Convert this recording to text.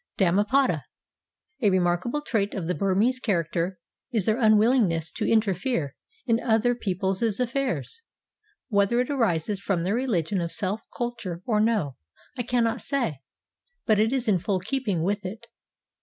Dammapada. A remarkable trait of the Burmese character is their unwillingness to interfere in other people's affairs. Whether it arises from their religion of self culture or no, I cannot say, but it is in full keeping with it.